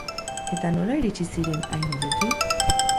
Eta nola iritsi ziren hain urruti?